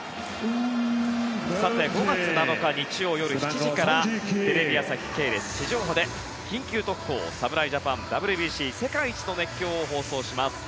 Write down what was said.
さて、５月７日日曜夜７時からテレビ朝日系列地上波で「緊急特報！侍ジャパンＷＢＣ世界一の熱狂！」を放送します。